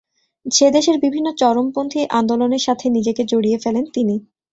সেদেশের বিভিন্ন চরমপন্থী আন্দোলনের সাথে নিজেকে জড়িয়ে ফেলেন তিনি।